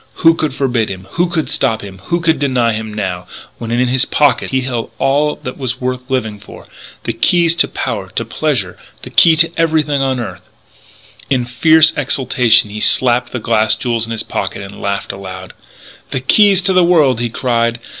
Who could forbid him? Who stop him? Who deny him, now, when, in his pockets, he held all that was worth living for the keys to power, to pleasure, the key to everything on earth! In fierce exultation he slapped the glass jewels in his pocket and laughed aloud. "The keys to the world!" he cried.